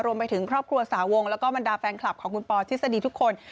รวมไปถึงครอบครัวสาวงแล้วก็บรรดาแฟนคลับของคุณปอทฤษฎีทุกคน